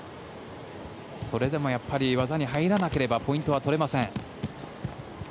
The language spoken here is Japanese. それでも技に入らなければポイントは取れません。